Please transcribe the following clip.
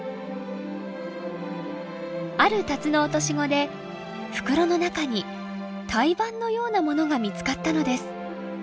あるタツノオトシゴで袋の中に胎盤のようなものが見つかったのです。